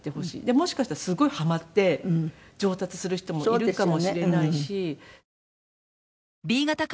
もしかしたらすごいハマって上達する人もいるかもしれないし。